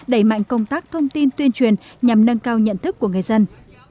đẩy mạnh công tác thông tin tuyên truyền nhằm nâng cao nhận thức của người dân